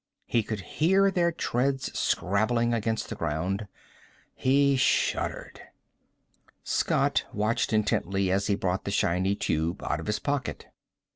He could hear their treads scrabbling against the ground. He shuddered. Scott watched intently as he brought the shiny tube out of his pocket.